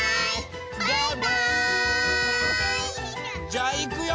じゃあいくよ！